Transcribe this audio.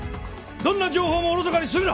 どんな情報もおろそかにするな！